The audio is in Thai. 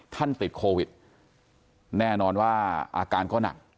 ติดโควิดแน่นอนว่าอาการก็หนัก